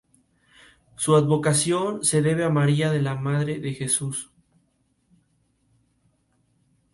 Su advocación se debe a María la madre de Jesús.